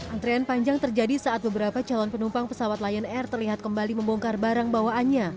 antrian panjang terjadi saat beberapa calon penumpang pesawat lion air terlihat kembali membongkar barang bawaannya